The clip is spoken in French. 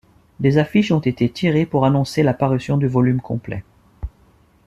Des affiches ont été tirées pour annoncer la parution du volume complet.